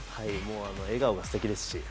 笑顔がすてきですし。